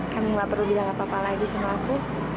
kamu gak perlu bilang apa apa lagi sama aku